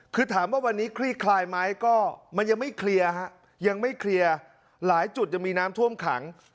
คือถามว่าวันนี้คลี่คลายไหมก็มันยังไม่เคลียร์ฮะยังไม่เคลียร์หลายจุดยังมีน้ำท่วมขัง